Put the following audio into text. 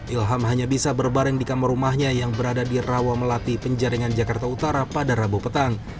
ilham hanya bisa berbareng di kamar rumahnya yang berada di rawa melati penjaringan jakarta utara pada rabu petang